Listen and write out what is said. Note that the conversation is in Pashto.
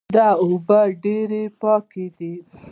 دا اوبه ډېرې پاکې دي